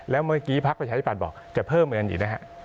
แล้วเมื่อกี้พักไปใช้บัตรบอกจะเพิ่มเงินอีกนะครับ